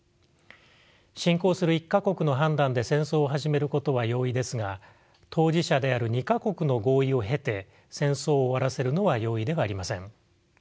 侵攻する１か国の判断で戦争を始めることは容易ですが当事者である２か国の合意を経て戦争を終わらせるのは容易ではありません。